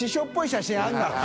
写真あるだろう。